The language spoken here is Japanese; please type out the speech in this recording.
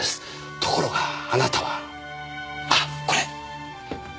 ところがあなたはあこれ！